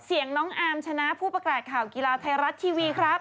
น้องอาร์มชนะผู้ประกาศข่าวกีฬาไทยรัฐทีวีครับ